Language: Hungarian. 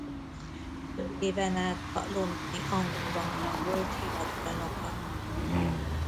Több éven át a londoni Angol-banknak volt hivatalnoka.